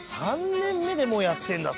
「３年目でもうやってるんだ。